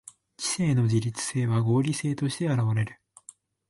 知性の自律性は合理性として現われる。